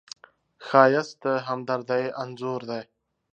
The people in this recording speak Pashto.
ښایست د همدردۍ انځور دی